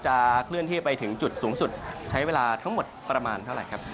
เคลื่อนที่ไปถึงจุดสูงสุดใช้เวลาทั้งหมดประมาณเท่าไหร่ครับ